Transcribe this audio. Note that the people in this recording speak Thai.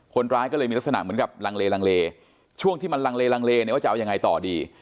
คนร้ายก็เลยมีลักษณะเหมือนกับลังเลลังเลช่วงที่มันลังเลลังเลเนี่ยว่าจะเอายังไงต่อดี